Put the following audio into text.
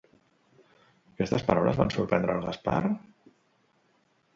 Aquestes paraules van sorprendre el Gaspar?